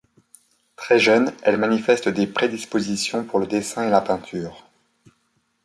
Très jeune elle manifeste des prédispositions pour le dessin et la peinture.